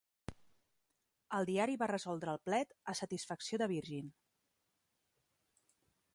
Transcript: El diari va resoldre el plet a satisfacció de Virgin.